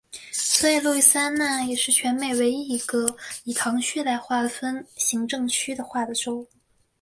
所以路易斯安那也是全美唯一一个以堂区来划分行政区划的州。